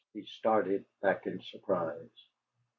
He started back in surprise.